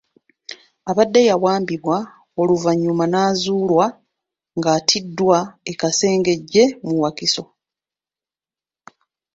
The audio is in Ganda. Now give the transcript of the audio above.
Abadde yawambibwa oluvannyuma n'azuulwa nga attiddwa e Kasengejje mu Wakiso.